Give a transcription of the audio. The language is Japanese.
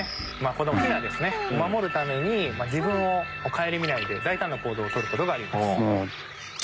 このヒナですね守るために自分を顧みないで大胆な行動を取る事があります。